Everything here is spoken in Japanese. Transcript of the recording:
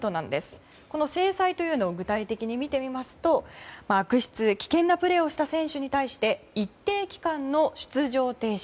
この制裁というのを具体的に見てみますと悪質危険なプレーをした選手に対し一定期間の出場停止。